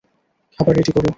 খাবার রেডি করো।